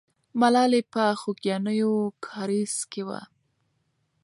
ملالۍ په خوګیاڼیو کارېز کې وه.